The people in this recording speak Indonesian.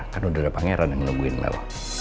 kan udah ada pangeran yang nungguin mel